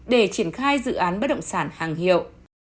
để triển khai dự án bất động sản hàng hiệu